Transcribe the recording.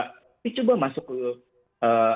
tapi coba masuk ke wilayah wilayah ke atas